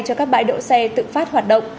cho các bãi đỗ xe tự phát hoạt động